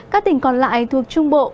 các tỉnh còn lại thuộc trung bộ